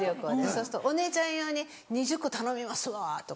そうすると「お姉ちゃん用に２０個頼みますわ」とかって。